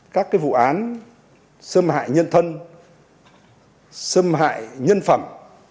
các vụ án xâm hại nhân thân xâm hại nhân phẩm